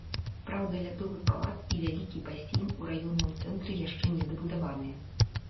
Праўда, лядовы палац і вялікі басейн у раённым цэнтры яшчэ не дабудаваныя.